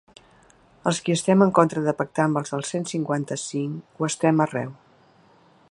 Els qui estem en contra de pactar amb els del cent cinquanta-cinc ho estem arreu.